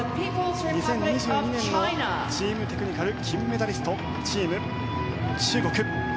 ２０２２年のチームテクニカル金メダリスト、チーム中国。